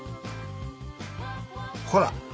ほら！